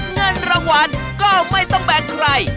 เงินรางวัลก็ไม่ต้องแบกใคร